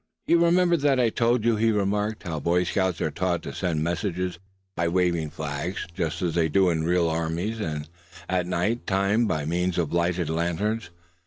"You remember that I told you," he remarked, "how Boy Scouts are taught to send messages by waving flags, just as they do in real armies; and at night time by means of lighted lanterns.